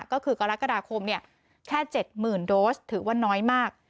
ก็คือกรกฎาคมแค่๗๐๐๐โดสถือว่าน้อยมาก